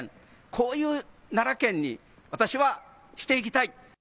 こういう奈良県に私はしていきたい。